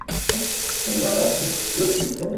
Jacob aliruka mtoni kwa namna ya ajabu sana